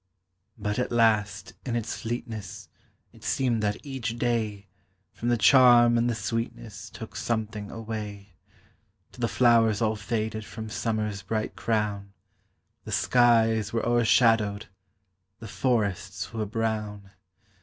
But at last, in its fleetness, It seemed that each day From the charm and the sweetness Took something away, Till the flowers all faded From summerâs bright crown, The skies were oâershadowed, The forests were brown.